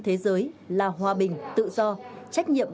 thế giới là hòa bình tự do trách nhiệm